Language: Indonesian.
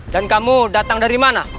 dan kamu datang dari mana